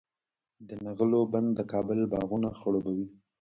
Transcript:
د نغلو بند د کابل باغونه خړوبوي.